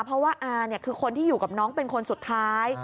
เพราะว่าอาคือคนที่อยู่กับน้องเป็นคนสุดท้าย